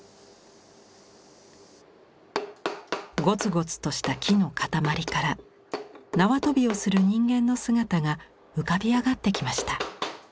ごつごつとした木の塊から縄跳びをする人間の姿が浮かび上がってきました。